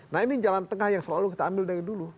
nah ini jalan tengah yang selalu kita ambil dari dulu